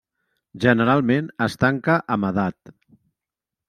Generalment es tanca amb edat.